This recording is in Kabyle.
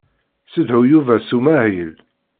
Ssedhu Yuba s umahil.